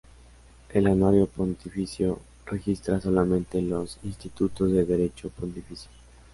El Anuario Pontificio registra solamente los Institutos de derecho pontificio.